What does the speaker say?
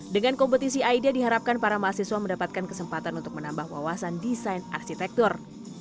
dengan kompetisi aida diharapkan para mahasiswa mendapatkan kesempatan untuk menambah wawasan desain arsitektur